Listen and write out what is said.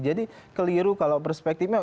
jadi keliru kalau perspektifnya